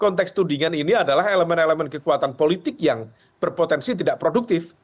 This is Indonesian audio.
konteks tudingan ini adalah elemen elemen kekuatan politik yang berpotensi tidak produktif